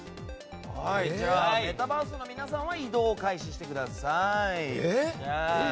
メタバースの皆さんは移動を開始してください。